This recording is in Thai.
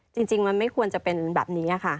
จริงมันไม่ควรจะเป็นแบบนี้ค่ะ